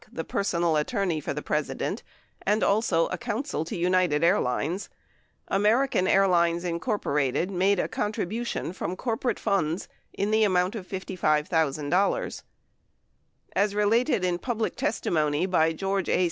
the personal attorney for the President and also counsel to United Airlines. American Airlines, Inc., made a contribution from corporate funds in the amount of $55,000. As related in public testimony by George A.